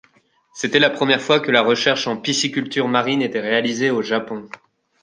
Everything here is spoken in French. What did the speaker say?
C'était la première fois que la recherche en pisciculture marine était réalisée au Japon.